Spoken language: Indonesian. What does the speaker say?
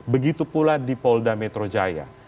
begitu pula di polda metro jaya